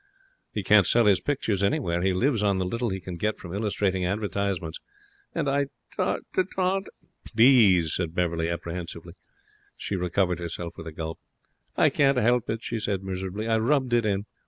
'He can't sell his pictures anywhere. He lives on the little he can get from illustrating advertisements. And I t taunt ' 'Please!' said Beverley, apprehensively. She recovered herself with a gulp. 'I can't help it,' she said, miserably. 'I rubbed it in.